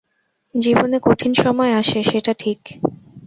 জীবনে কঠিন সময় আসে, সেটা ঠিক।